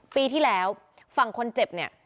ปีที่แล้วฝั่งคนเจ็บเนี่ย